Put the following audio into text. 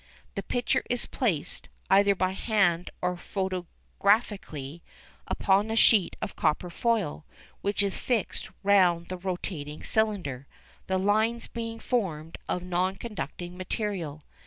The picture is placed, either by hand or photographically, upon a sheet of copper foil, which is fixed round the rotating cylinder, the lines being formed of non conducting material.